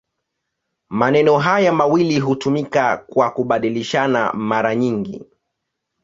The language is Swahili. Maneno haya mawili hutumika kwa kubadilishana mara nyingi.